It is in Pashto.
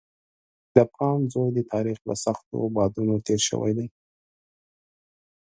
د افغان زوی د تاریخ له سختو بادونو تېر شوی دی.